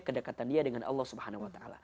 kedekatan dia dengan allah swt